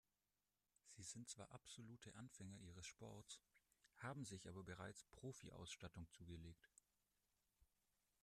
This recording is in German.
Sie sind zwar absolute Anfänger ihres Sports, haben sich aber bereits Profi-Ausstattung zugelegt.